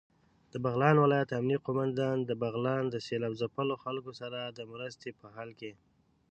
دبغلان ولايت امنيه قوماندان دبغلان د سېلاب ځپلو خلکو سره دمرستې په حال کې